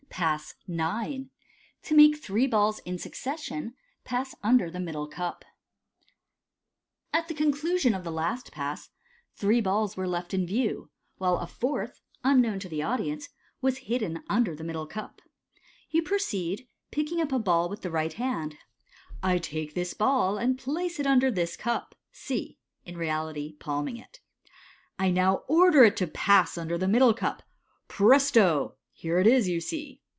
Pass IX. To make three Balls in Succession pass under thb Middle Cup. — At the conclusion of the last Pass, three balh MODERN MAGIC 287 were left in view, while a fourth, unknown to the audience, was hidden under the middle cup. Yo'i proceed, picking up a ball with the right hand, " I take this ball, and place it under this cup " (C) ; (in reality palming it). " I now order it to pass under the middle cup. Presto ! Here it is, you see."